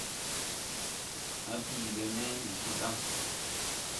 Hãã bìin lɛ me ndi joo ɗa.